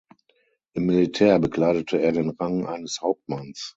Im Militär bekleidete er den Rang eines Hauptmanns.